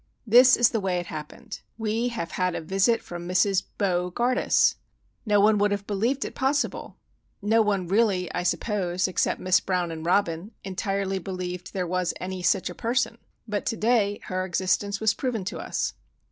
This is the way it happened. We have had a visit from Mrs. Bo gardus! No one would have believed it possible; no one really, I suppose, except Miss Brown and Robin, entirely believed there was any "sich a person." But to day her existence was proven to us.